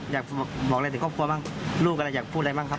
อยากบอกอะไรถึงครอบครัวบ้างลูกอะไรอยากพูดอะไรบ้างครับ